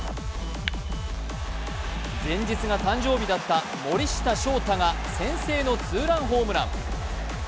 前日が誕生日だった森下翔太が先制のツーランホームラン。